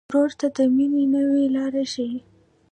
ورور ته د مینې نوې لاره ښيي.